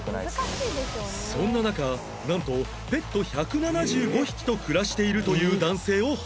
そんな中なんとペット１７５匹と暮らしているという男性を発見